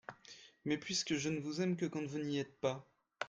Mais puisque je ne vous aime que quand vous n’y êtes pas !